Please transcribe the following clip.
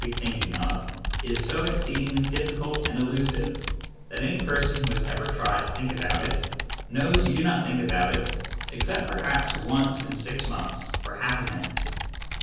505 be thinking of is so exceedingly difficult and elusive that any person who has ever tried to think about it knows you do not think about it except perhaps once in six months for half a minute.